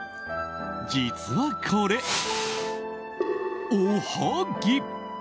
実はこれ、おはぎ。